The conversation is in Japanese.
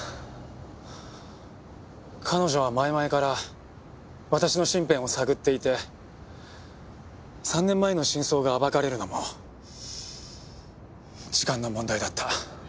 彼女は前々から私の身辺を探っていて３年前の真相が暴かれるのも時間の問題だった。